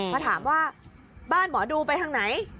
มาถามว่าบ้านหมอดูไปทางไหน